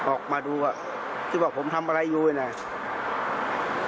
ออกมาดูอ่ะที่ว่าผมทำอะไรอยู่เนี่ย